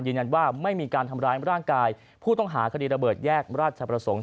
ยืนยันว่าไม่มีการทำร้ายร่างกายผู้ต้องหาคดีระเบิดแยกราชประสงค์